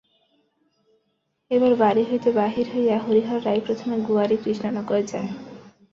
এবার বাড়ি হইতে বাহির হইয়া হরিহর রায় প্রথমে গোয়াড়ী কৃষ্ণনগর যায়।